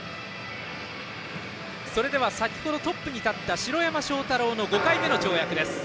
それでは先程トップに立った城山正太郎の５回目の跳躍です。